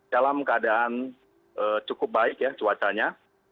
dalam keadaan cukup baik ya cuacanya